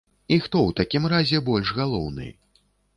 І хто ў такім разе больш галоўны?